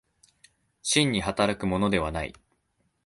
真に働くものではない。